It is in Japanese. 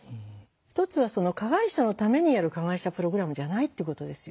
一つは加害者のためにやる加害者プログラムじゃないっていうことですよ。